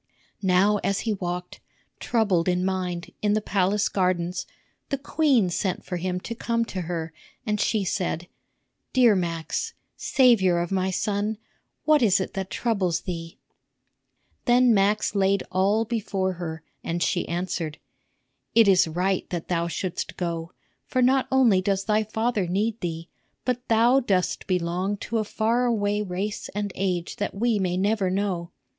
Now as he walked, troubled in mind, in the palace gardens, the queen sent for him to come to her, and she said: "Dear Max, savior of my son, what is it that troubles thee?" Then Max laid all before her, and she answered: "It is right that thou shouldst go, for not only does thy father need thee, but thou dost belong to a far away race and age that we may never know.